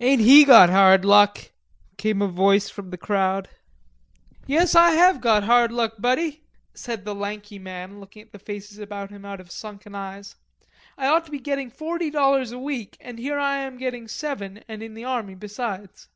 "Ain't he got hard luck?" came a voice from the crowd. "Yes, I have got hard luck, Buddy," said the lanky man, looking at the faces about him out of sunken eyes. "I ought to be getting forty dollars a week and here I am getting seven and in the army besides."